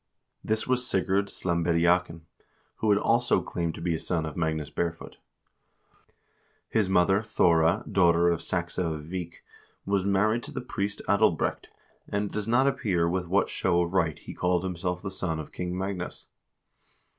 This was Sigurd Slembediakn, who also claimed to be a son of Magnus Barefoot. His mother, Thora, daughter of Saxe of Vik, was married to the priest Adalbrecht, and it does not appear with what show of right he called himself the son of King Magnus.